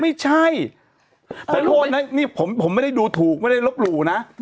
ไม่ใช่ขอโทษนะนี่ผมไม่ได้ดูถูกไม่ได้ลบหลู่นะ